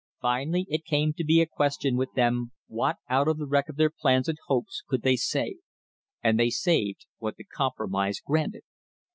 Finally it came to be a question with them what out of the wreck of THE COMPROMISE OF 1880 their plans and hopes could they save? And they saved what the compromise granted.